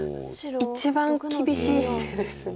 一番厳しい手ですね。